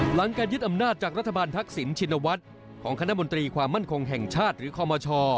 การยึดอำนาจจากรัฐบาลทักษิณชินวัฒน์ของคณะมนตรีความมั่นคงแห่งชาติหรือคอมช